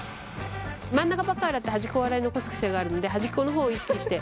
真ん中ばっかり洗って端っこを洗い残す癖があるんで端っこの方を意識して。